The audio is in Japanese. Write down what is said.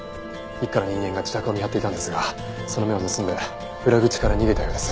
一課の人間が自宅を見張っていたんですがその目を盗んで裏口から逃げたようです。